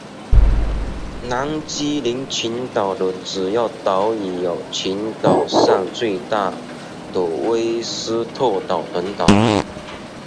南基林群岛的主要岛屿有群岛上最大的威斯特岛等岛。